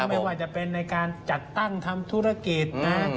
ไม่ว่าจะเป็นในการจัดตั้งทำธุรกิจนะ